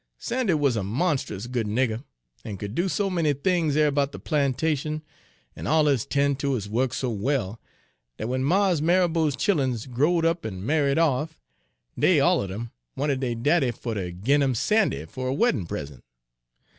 Sandy wuz a monst'us good nigger, en could do so many things erbout a plantation, en alluz 'ten' ter his wuk so well, dat w'en Mars Marrabo's chilluns growed up en married off, dey all un 'em wanted dey daddy fer ter gin em Sandy fer a weddin' present.